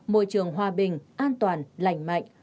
môi trường hòa bình an toàn lành mạnh